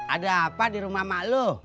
ada apa di rumah mak lo